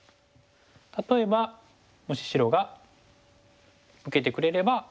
例えばもし白が受けてくれれば。